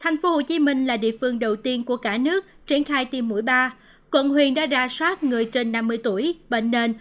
các địa phương đầu tiên của cả nước triển khai tiêm mũi ba cộng huyền đã ra soát người trên năm mươi tuổi bệnh nền